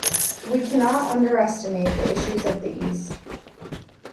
We cannot underestimate the issues of the East.